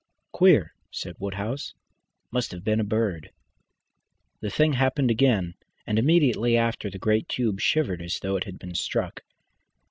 "Queer," said Woodhouse. "Must have been a bird." The thing happened again, and immediately after the great tube shivered as though it had been struck.